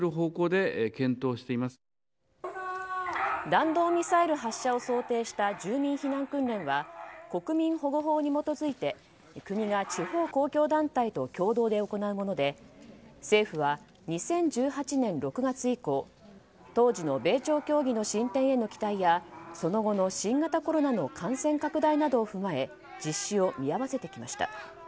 弾道ミサイル発射を想定した住民避難訓練は国民保護法に基づいて国が、地方公共団体と共同で行うもので政府は２０１８年６月以降当時の米朝協議の進展への期待やその後の新型コロナの感染拡大を踏まえ実施を見合わせてきました。